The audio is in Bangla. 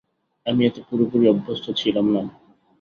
আমি এতে পুরোপুরি অভ্যস্ত ছিলাম না।